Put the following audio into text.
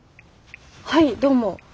はいどうも。